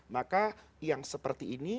maka yang seperti ini